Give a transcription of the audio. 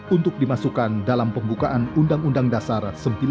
untuk dimasukkan dalam pembukaan undang undang dasar seribu sembilan ratus empat puluh